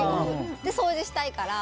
掃除したいから。